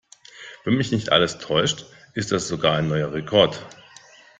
Wenn mich nicht alles täuscht, ist das sogar ein neuer Rekord.